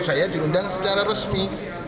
saya diundang secara resmi